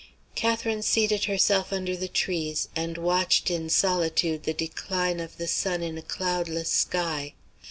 Catherine seated herself under the trees, and watched in solitude the decline of the sun in a cloudless sky.